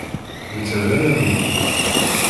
Netta d anamur